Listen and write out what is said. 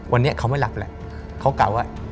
วันนี้เขาไม่หลับแล้วเขากล่าวว่า